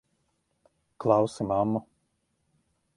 Klausi mammu!